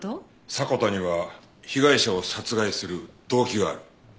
迫田には被害者を殺害する動機がある。